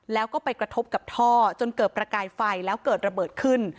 แล้วก็ไปกระทบกับท่อจนเกิดประกายไฟแล้วเกิดระเบิดขึ้น